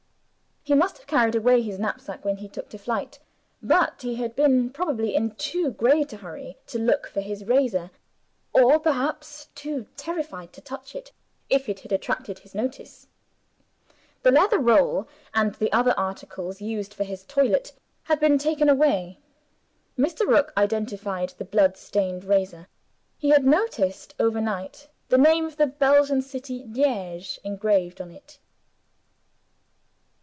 He must have carried away his knapsack, when he took to flight, but he had been (probably) in too great a hurry to look for his razor or perhaps too terrified to touch it, if it had attracted his notice. The leather roll, and the other articles used for his toilet, had been taken away. Mr. Rook identified the blood stained razor. He had noticed overnight the name of the Belgian city, "Liege," engraved on it.